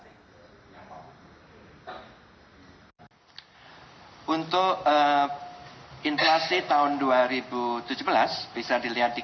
bersama dengan bps bps menilai pengendalian harga bahan pangan oleh pemerintah sepanjang dua ribu tujuh belas cukup berhasil